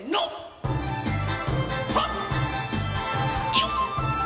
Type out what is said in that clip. よっ！